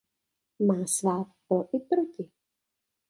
Má svá pro i proti.